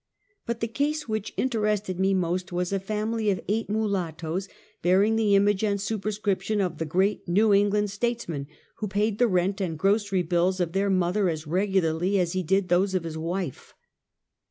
But the case which interested me most was a family of eight mulattoes, bearing the image and superscription of the great ISTew England statesman, who paid the rent and grocery bills of their mother as regularly as he did those of his wife.